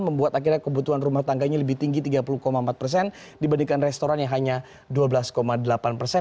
membuat akhirnya kebutuhan rumah tangganya lebih tinggi tiga puluh empat persen dibandingkan restoran yang hanya dua belas delapan persen